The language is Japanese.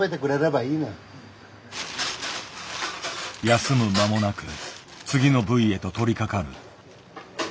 休む間もなく次の部位へと取りかかる。